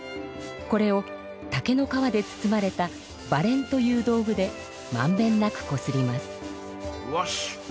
これを竹の皮で包まれたばれんという道具でまんべんなくこすります。